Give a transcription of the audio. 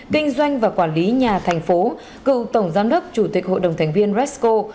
kinh doanh và quản lý nhà thành phố cựu tổng giám đốc chủ tịch hội đồng thành viên resco